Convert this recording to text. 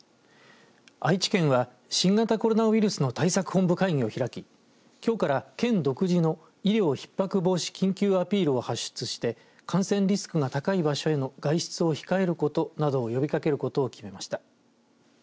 愛知県は新型コロナウイルスの対策本部会議を開ききょうから県独自の医療ひっ迫防止緊急アピールを発出して感染リスクが高い場所への外出を控えることなどを呼びかけることを決めました。